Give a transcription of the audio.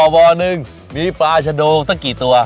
บ่อนึงมีปลาชะโดตั้งกี่ตัว